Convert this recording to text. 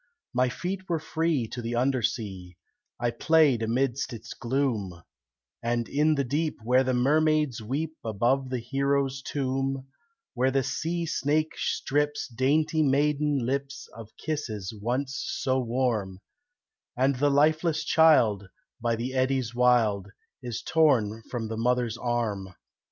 My feet were free to the undersea; I played amidst its gloom, And in the deep where the mermaids weep Above the hero's tomb, Where the sea snake strips dainty maiden lips Of kisses once so warm, And the lifeless child, by the eddies wild, Is torn from the mother's arm.